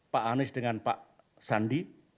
pak anies dengan pak sandi